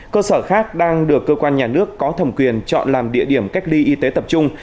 cơ sở khác đang được cơ quan nhà nước có thẩm quyền chọn làm địa điểm cách ly y tế tập trung